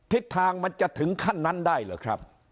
ทิศทางมันจะถึงขั้นนั้นได้หรือครับ